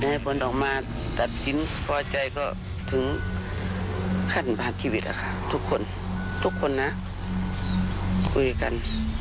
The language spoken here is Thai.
ให้ผลออกมาตัดสินพอใจก็ถึงขั้นผ่านชีวิตอะค่ะทุกคนทุกคนนะคุยกัน